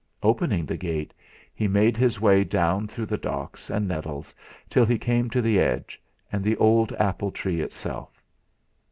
Opening the gate, he made his way down through the docks and nettles till he came to the edge, and the old apple tree itself.